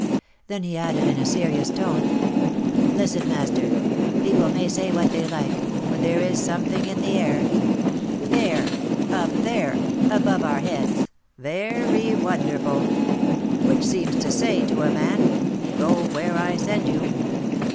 Then he added, in a serious tone, "Listen, master. People may say what they like, but there is something in the air, there, up there, above our heads, very wonderful; which seems to say to a man, 'Go where I send you.'